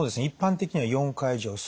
一般的には４回以上。